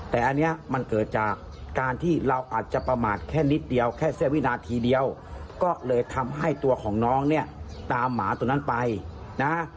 แต่อันนี้มันเกิดจากการที่เราอาจจะประมาทแค่นิดเดียวแค่เสี้ยวินาทีเดียวก็เลยทำให้ตัวของน้องเนี่ยตามหมาตัวนั้นไปนะ